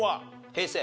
平成？